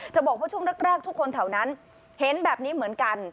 บอกว่าช่วงแรกทุกคนแถวนั้นเห็นแบบนี้เหมือนกัน